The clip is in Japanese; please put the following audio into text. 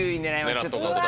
ちょっと。